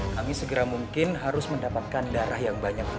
kami segera mungkin harus mendapatkan darah yang lebih besar dari dia